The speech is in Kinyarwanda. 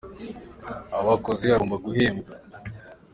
awakoze agomba guhembwa.